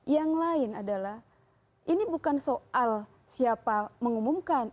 yang lain adalah ini bukan soal siapa mengumumkan